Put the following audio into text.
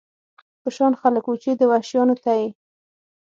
په شان خلک و، چې دې وحشیانو ته یې.